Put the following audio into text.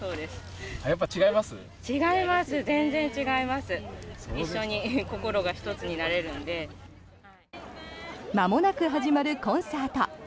まもなく始まるコンサート。